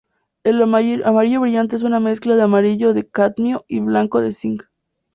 El amarillo brillante es una mezcla de amarillo de cadmio y blanco de cinc.